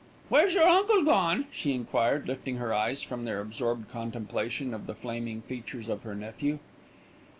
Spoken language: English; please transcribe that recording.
"Where's your Uncle gone?" she enquired, lifting her eyes from their absorbed contemplation of the flaming features of her nephew.